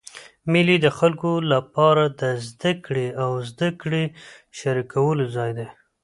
مېلې د خلکو له پاره د زدهکړي او زدهکړي شریکولو ځای دئ.